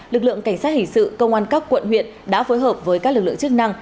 lực lượng cảnh sát hình sự công an các quận huyện đã phối hợp với các lực lượng chức năng